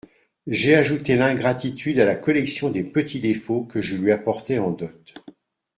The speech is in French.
J'ai ajouté l'ingratitude à la collection des petits défauts que je lui apportais en dot.